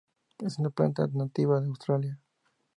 Es una planta nativa de Australia.